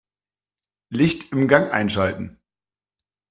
Licht im Gang einschalten.